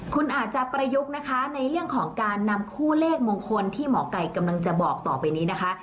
คุณอาจจะประยุกต์นะคะในเรื่องของการนำคู่เลขมงคลที่หมอไก่กำลังจะบอกต่อไปนี้นะคะ